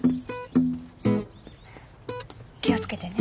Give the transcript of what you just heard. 気を付けてね。